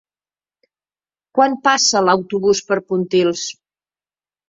Quan passa l'autobús per Pontils?